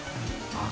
あっ。